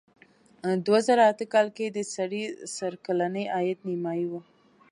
دوه زره اته کال کې د سړي سر کلنی عاید نیمايي و.